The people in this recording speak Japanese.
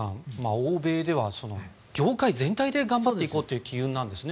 欧米では業界全体で頑張っていこうという機運なんですね。